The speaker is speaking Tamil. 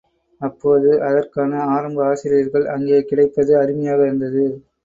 அப்போது அதற்கான ஆரம்ப ஆசிரியர்கள் அங்கே கிடைப்பது அருமையாக இருந்தது.